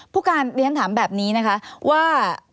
พุกานะนี่อันถามแบบนี้ว่า